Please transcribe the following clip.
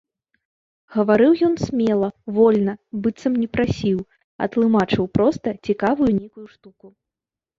Гаварыў ён смела, вольна, быццам не прасіў, а тлумачыў проста цікавую нейкую штуку.